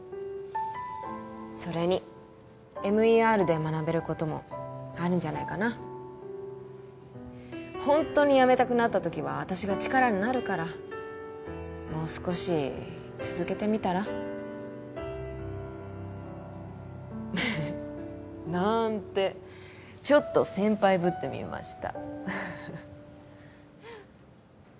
それにＭＥＲで学べることもあるんじゃないかなホントに辞めたくなった時は私が力になるからもう少し続けてみたら？なんてちょっと先輩ぶってみました